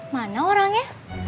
mana orang ya